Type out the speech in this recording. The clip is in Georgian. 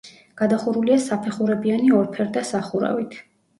გადახურულია საფეხურებიანი ორფერდა სახურავით.